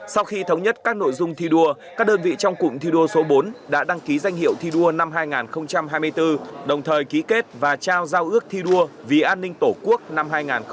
sau khi thống nhất các nội dung thi đua các đơn vị trong cụm thi đua số bốn đã đăng ký danh hiệu thi đua năm hai nghìn hai mươi bốn đồng thời ký kết và trao giao ước thi đua vì an ninh tổ quốc năm hai nghìn hai mươi bốn